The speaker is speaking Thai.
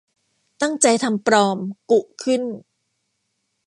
ตั้งใจทำปลอม กุขึ้น